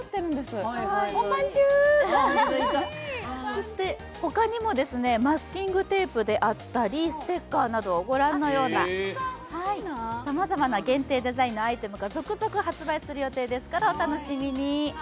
そしてほかにもマスキングテープであったり、ステッカーなど、ご覧のようなさまざまな限定デザインのアイテムが続々発売する予定ですから、お楽しみに。